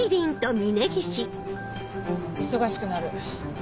忙しくなる。